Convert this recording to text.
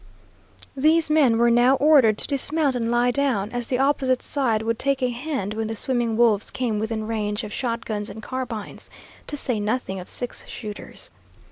These men were now ordered to dismount and lie down, as the opposite side would take a hand when the swimming wolves came within range of shotguns and carbines, to say nothing of six shooters.